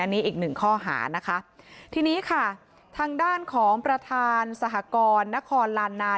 อันนี้อีกหนึ่งข้อหานะคะทีนี้ค่ะทางด้านของประธานสหกรณ์นครลานนา